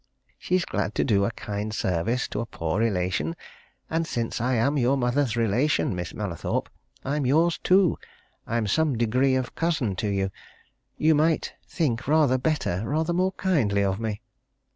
She's glad to do a kind service to a poor relation. And since I am your mother's relation, Miss Mallathorpe, I'm yours, too. I'm some degree of cousin to you. You might think rather better, rather more kindly, of me!"